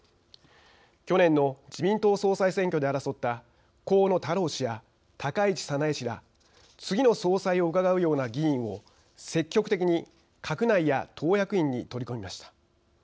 去年の自民党総裁選挙で争った河野太郎氏や高市早苗氏ら次の総裁をうかがうような議員を積極的に閣内や党役員に取り込みました。